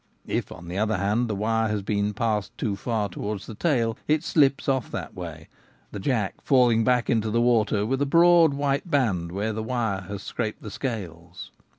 If, on the other hand, the wire has been passed too far towards the tail, it slips off that way, the jack falling back into the water with a broad white band where the wire has scraped the scales.